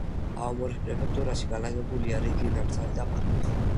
აომორის პრეფექტურაში განლაგებულია რიგი ნაკრძალი და პარკი.